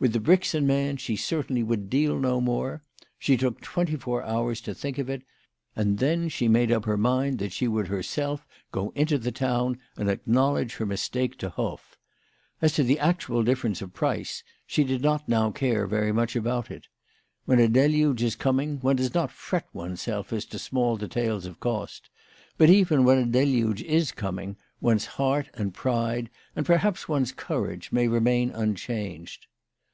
With the Brixen man she certainly would deal no more. She took twenty four hours to think of it, and then she made up her mind that she would herself go into the town and acknowledge her mistake to Hoff. As to the actual difference of price, she did not now care very much about it. When a deluge is coining, one does not fret oneself as to small details of cost ; but even when a deluge is coming one's heart and pride, and perhaps one's courage, may remain unchanged.